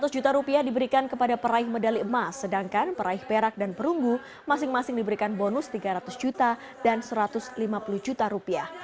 lima ratus juta rupiah diberikan kepada peraih medali emas sedangkan peraih perak dan perunggu masing masing diberikan bonus rp tiga ratus juta dan rp satu ratus lima puluh juta rupiah